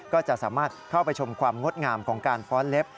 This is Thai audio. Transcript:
ก็จะสามารถเข้าไปชมความงดงามของการฟ้อนเล็บ